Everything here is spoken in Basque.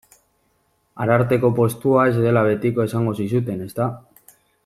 Ararteko postua ez dela betiko esango zizuten, ezta?